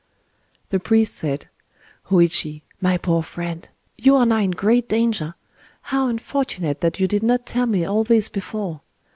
The priest said:— "Hōïchi, my poor friend, you are now in great danger! How unfortunate that you did not tell me all this before!